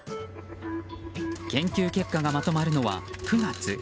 研究結果がまとまるのは９月。